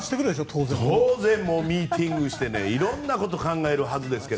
当然ミーティングして色んなこと考えるはずですが。